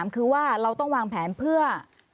คุณต้องวางแผนเพื่อ